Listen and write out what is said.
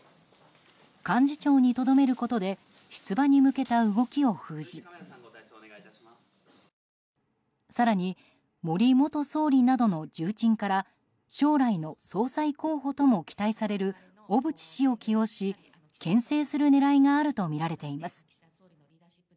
幹事長にとどめることで出馬に向けた動きを封じ更に、森元総理などの重鎮から将来の総裁候補とも期待される小渕氏を起用しけん制する狙いがあるとみられています。